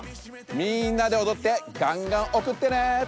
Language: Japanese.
みんなでおどってがんがんおくってね！